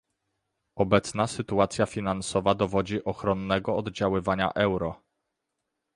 Obecna sytuacja finansowa dowodzi ochronnego oddziaływania euro